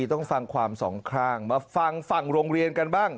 ต้องฟังความสองข้างมาฟังฝั่งโรงเรียนกันบ้าง